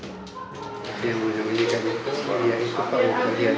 dia menyembunyikan korban